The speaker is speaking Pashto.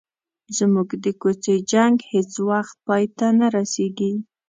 زموږ د کوڅې جنګ هیڅ وخت پای ته نه رسيږي.